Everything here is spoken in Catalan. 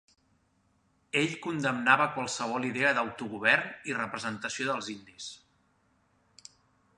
Ell condemnava qualsevol idea d'autogovern i representació dels indis.